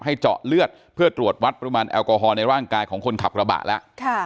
เจาะเลือดเพื่อตรวจวัดปริมาณแอลกอฮอลในร่างกายของคนขับกระบะแล้ว